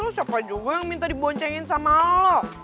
siapa juga yang minta diboncengin sama lo